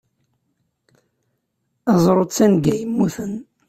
Aẓru d tanga yemmuten.